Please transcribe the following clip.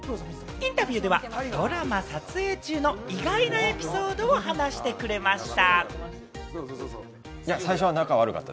インタビューではドラマ撮影中の意外なエピソードを話してくれました。